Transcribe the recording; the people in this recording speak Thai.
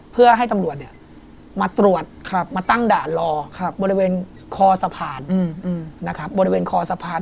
เพื่อให้ตำรวจมาตรวจมาตั้งด่านรอบริเวณคอสะพาน